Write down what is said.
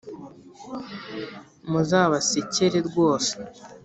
muzabasekere rwose